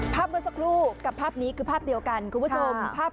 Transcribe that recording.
เมื่อสักครู่กับภาพนี้คือภาพเดียวกันคุณผู้ชมภาพ